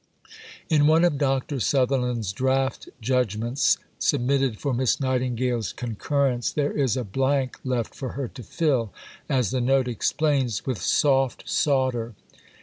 In one of Dr. Sutherland's draft judgments submitted for Miss Nightingale's concurrence there is a blank left for her to fill, as the note explains, with "soft sawder."